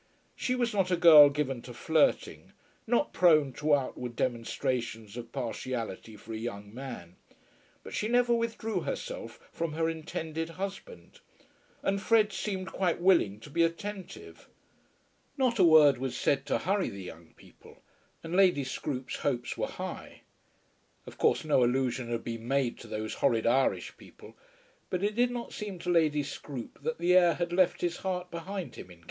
She was not a girl given to flirting, not prone to outward demonstrations of partiality for a young man; but she never withdrew herself from her intended husband, and Fred seemed quite willing to be attentive. Not a word was said to hurry the young people, and Lady Scroope's hopes were high. Of course no allusion had been made to those horrid Irish people, but it did not seem to Lady Scroope that the heir had left his heart behind him in Co.